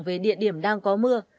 về địa điểm đang có mưa